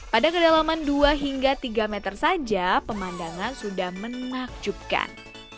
pada kedalaman dua hingga tiga meter saja pemandangan sudah menakjubkan